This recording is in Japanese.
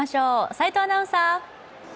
齋藤アナウンサー。